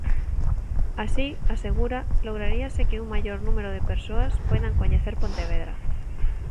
Así, asegura, lograríase que "un maior número de persoas poidan coñecer Pontevedra".